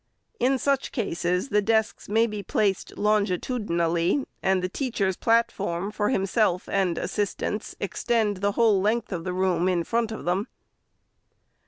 In such cases, the desks may be placed longitudinally, and the teacher's platform for him self and assistants extend the whole length of the room, in front of them.